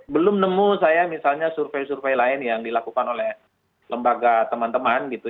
belum nemu saya misalnya survei survei lain yang dilakukan oleh lembaga teman teman gitu